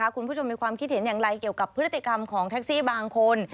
คุณผู้ชมมีความคิดเห็นอย่างไรเกี่ยวกับพฤติกรรมของแท็กซี่บางคน